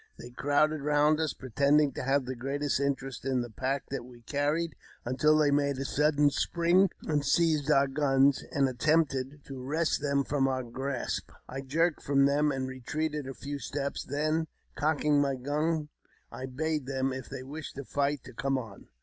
They crowded round us, pretending to have the greatest interest in the pack that we carried, until they made a sudden spring, and seized our guns, and attempted to wrest them from our grasp. I jerked from them, and retreated a few steps ; then, cocking my gun, I bade them, if they wished to fight, to come on.